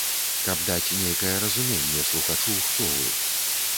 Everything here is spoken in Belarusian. Каб даць нейкае разуменне слухачу, хто вы.